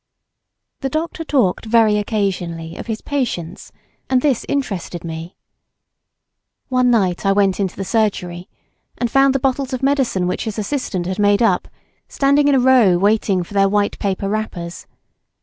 The doctor talked very occasionally of his patients, and this interested me. One night I went into the surgery and found the bottles of medicine which his assistant had made up, standing in a row waiting for their white paper wrappers.